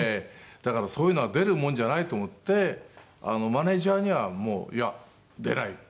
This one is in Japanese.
だからそういうのは出るもんじゃないと思ってマネジャーにはもう「いや出ない」っていう。